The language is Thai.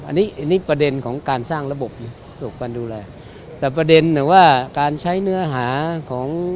อันนี้ประเด็นนของการสร้างระบบดัวยการดูลาย